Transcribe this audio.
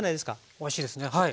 おいしいですねはい。